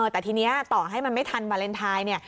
แต่ทีนี้ต่อให้มันไม่ทันวาเลนไทยเนี่ย